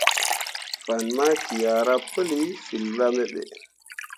Fan maki ah ra pəli filra me ɓo.